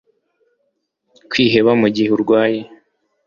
Kwiheba mu gihe urwaye